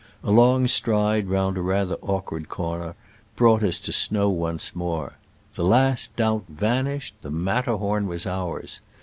A long stride round a rather awkward corner brought us to snow once more. The last doubt vanished ! The Matter horn was ours